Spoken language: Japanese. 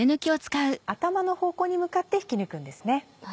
頭の方向に向かって引き抜くんですね。